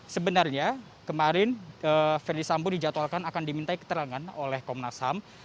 sebenarnya kemarin verdi sambo dijadwalkan akan diminta keterangan oleh komnas ham